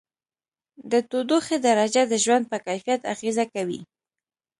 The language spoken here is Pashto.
د تودوخې درجه د ژوند په کیفیت اغېزه کوي.